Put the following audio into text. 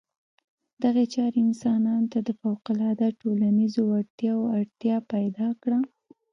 دغې چارې انسانانو ته د فوقالعاده ټولنیزو وړتیاوو اړتیا پیدا کړه.